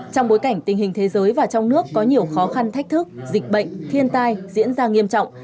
trong bối cảnh tình hình thế giới và trong nước có nhiều khó khăn thách thức dịch bệnh thiên tai diễn ra nghiêm trọng